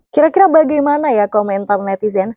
kira kira bagaimana ya komentar netizen